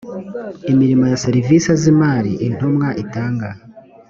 imirimo ya serivisi z imari intumwa itanga